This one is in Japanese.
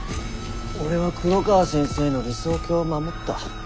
俺は黒川先生の理想郷を守った。